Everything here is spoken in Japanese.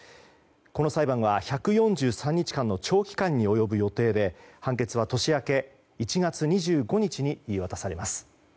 この裁判は１４３日間の長期間に及ぶ予定で判決は年明け１月２５日に言い渡されます。